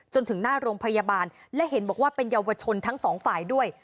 จนถึงหน้าโรงพยาบาลและเห็นบอกว่าเป็นเยาวชนทั้งสองฝ่ายด้วย